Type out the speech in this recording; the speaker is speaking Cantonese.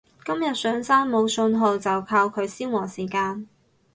今日上山冇訊號就靠佢消磨時間